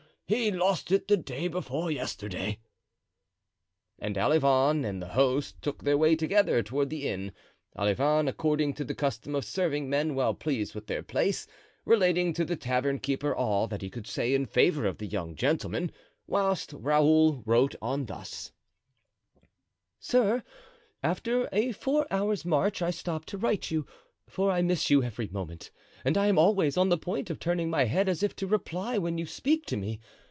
he lost it the day before yesterday." And Olivain and the host took their way together toward the inn, Olivain, according to the custom of serving men well pleased with their place, relating to the tavern keeper all that he could say in favor of the young gentleman; whilst Raoul wrote on thus: "Sir,—After a four hours' march I stop to write to you, for I miss you every moment, and I am always on the point of turning my head as if to reply when you speak to me.